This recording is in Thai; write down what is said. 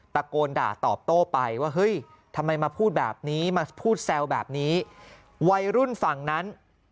ตะโกนด่าตอบโต้ไปว่าเฮ้ยทำไมมาพูดแบบนี้มาพูดแซวแบบนี้วัยรุ่นฝั่งนั้น